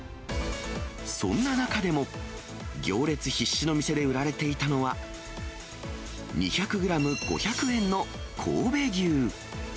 そんな中でも、行列必至の店で売られていたのは、２００グラム５００円の神戸牛。